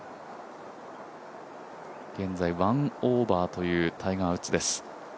現在１オーバーというタイガー・ウッズです。